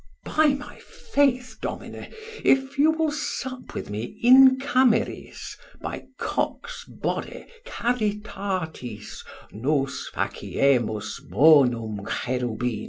By my faith, Domine, if you will sup with me in cameris, by cox body, charitatis, nos faciemus bonum cherubin.